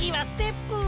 ステップ！